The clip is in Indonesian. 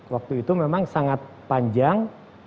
waktu itu memang sangat panjang